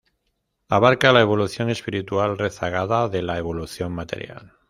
Abarca la evolución espiritual rezagada de la evolución material.